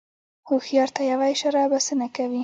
هوښیار ته یوه اشاره بسنه کوي.